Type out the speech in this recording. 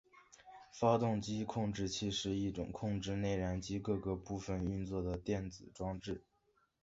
发动机控制器是一种控制内燃机各个部分运作的电子装置。